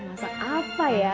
masak apa ya